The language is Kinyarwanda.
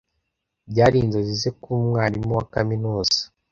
Byari inzozi ze kuba umwarimu wa kaminuza.